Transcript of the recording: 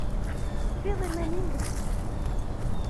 Tufiḍ iman-im di tmetti-a?